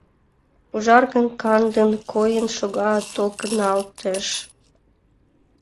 Ужаргын, кандын койын шога, толкыналтеш.